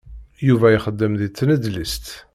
Yuba ixeddem di tnedlist.